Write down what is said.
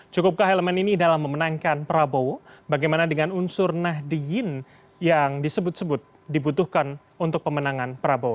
cukupkah elemen ini dalam memenangkan prabowo bagaimana dengan unsur nahdiyin yang disebut sebut dibutuhkan untuk pemenangan prabowo